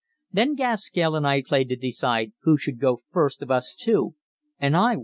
Then Gaskell and I played to decide who should go first of us two, and I won.